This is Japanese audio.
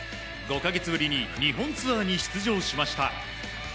５か月ぶりに日本ツアーに出場しました。